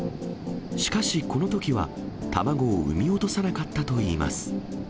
しかし、このときは卵を産み落とさなかったといいます。